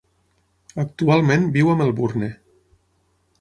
Actualment viu a Melbourne.